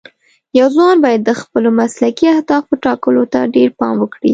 یو ځوان باید د خپلو مسلکي اهدافو ټاکلو ته ډېر پام وکړي.